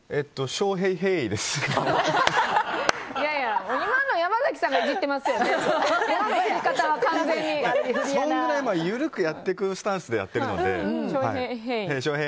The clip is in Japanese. そのぐらい緩くやってるスタンスでやってるので。